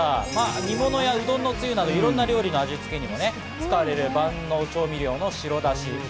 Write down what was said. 煮物やうどんのつゆなどいろんな料理の味つけに使われる万能調味料の白だし。